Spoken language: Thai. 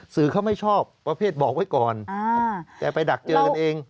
สื่อเขาไม่ชอบประเภทบอกไว้ก่อนแต่ไปดักเจอกันเอง